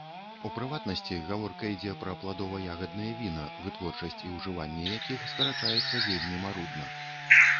У прыватнасці, гаворка ідзе пра пладова-ягадныя віна, вытворчасць і ўжыванне якіх скарачаецца вельмі марудна.